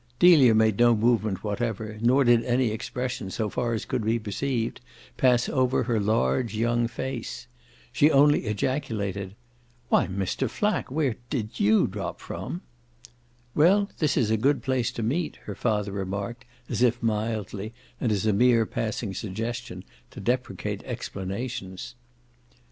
Delia made no movement whatever, nor did any expression, so far as could be perceived, pass over her large young face. She only ejaculated: "Why, Mr. Flack, where did you drop from?" "Well, this is a good place to meet," her father remarked, as if mildly, and as a mere passing suggestion, to deprecate explanations.